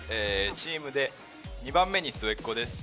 チームで２番目に末っ子です。